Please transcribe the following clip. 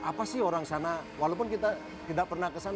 apa sih orang sana walaupun kita tidak pernah kesana